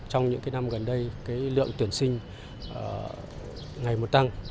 trong những năm gần đây lượng tuyển sinh ngày một tăng